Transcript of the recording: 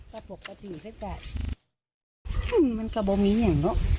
ปกติสิค่ะมันกระโบมินอย่างเนอะ